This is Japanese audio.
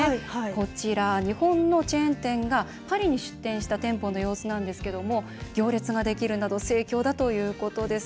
こちら、日本のチェーン店がパリに出店した店舗の様子なんですけども行列ができるなど盛況だということです。